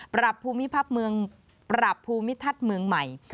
ปรับภูมิภาพเมืองปรับภูมิทัศน์เมืองใหม่